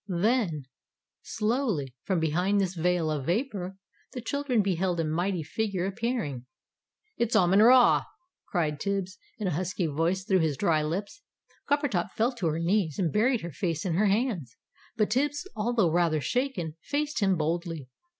Then, slowly, from behind this veil of vapour, the children beheld a mighty figure appearing. "It's Amon Ra!" cried Tibbs, in a husky voice, through his dry lips. Coppertop fell to her knees, and buried her face in her hands. But Tibbs, although rather shaken, faced him boldly.